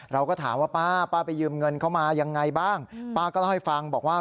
เราก็ถามว่าป้าป้าไปยืมเงินเข้ามายังไงบ้างป้าก็เล่าให้ฟังบอกว่า